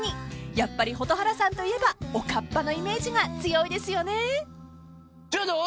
［やっぱり蛍原さんといえばおかっぱのイメージが強いですよね］